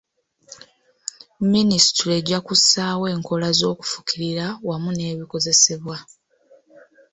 Minisitule ejja kussaawo enkola z'okufukirira wamu n'ebikozesebwa.